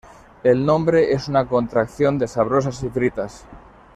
El nombre es una contracción de "Sabrosas y Fritas".